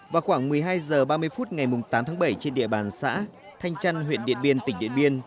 vào khoảng một mươi hai h ba mươi phút ngày tám tháng bảy trên địa bàn xã thanh trăn huyện điện biên tỉnh điện biên